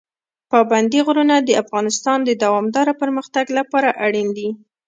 پابندی غرونه د افغانستان د دوامداره پرمختګ لپاره اړین دي.